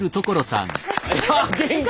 いや元気。